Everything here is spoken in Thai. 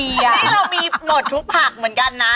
นี่เรามีหมดทุกผักเหมือนกันนะ